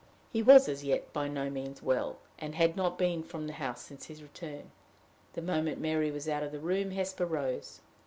He was as yet by no means well, and had not been from the house since his return. The moment Mary was out of the room, Hesper rose.